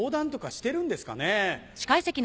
してるんですか？